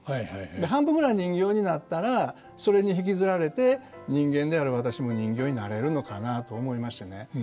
で半分ぐらい人形になったらそれに引きずられて人間である私も人形になれるのかなと思いましてね。